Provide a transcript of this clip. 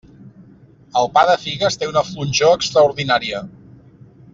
El pa de figues té una flonjor extraordinària.